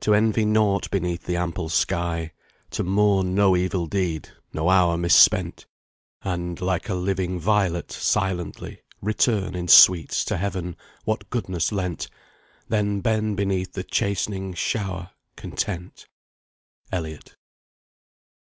To envy nought beneath the ample sky; To mourn no evil deed, no hour mis spent; And, like a living violet, silently Return in sweets to Heaven what goodness lent, Then bend beneath the chastening shower content. ELLIOTT.